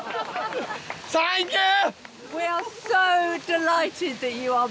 サンキュー！